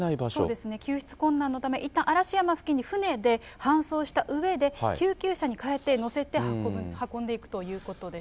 そうですね、救出困難のため、いったん嵐山付近に舟で搬送したうえで、救急車にかえて乗せて運んでいくということです。